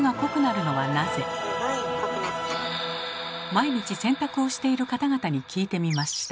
毎日洗濯をしている方々に聞いてみました。